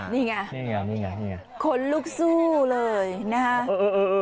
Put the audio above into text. นี่ไงนี่ไงนี่ไงนี่ไงคนลุกสู้เลยนะฮะเออเออ